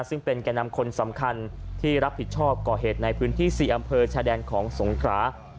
ซึ่งเป็นแก่นำคนสำคัญที่รับผิดชอบก่อเหตุในพื้นที่๔อำเภอชายแดนของสงครา